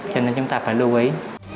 cho nên chúng ta phải lưu ý